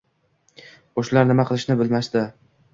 Qo`shnilar nima qilishni bilishmasdi